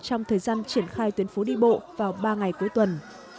trong thời gian triển khai tuyến phố đi bộ vào ba ngày cuối tuần